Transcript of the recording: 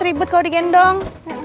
ribet kalau digendong